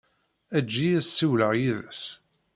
Eǧǧ-iyi ad ssiwleɣ yid-s.